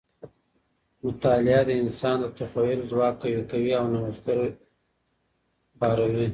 مطالعه د انسان د تخیل ځواک قوي کوي او نوښتګر یې باروي.